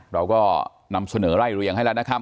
เราก็นำเสนอไล่เรียงให้แล้วนะครับ